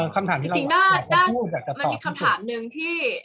คำถามอะไรใช่ไหมคะจริงถ้ามีคำถามหนึ่งที่